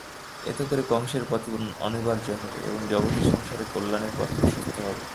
এতে করে কংসের পতন অনিবার্য হবে এবং জগৎ সংসারের কল্যাণের পথ প্রশস্ত হবে।